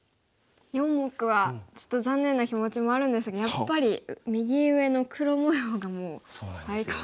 ４目はちょっと残念な気持ちもあるんですがやっぱり右上の黒模様がもう最高ですね。